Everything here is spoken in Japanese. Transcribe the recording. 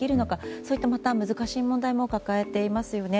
そういった難しい問題も抱えていますよね。